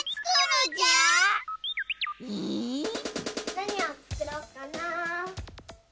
なにをつくろっかな。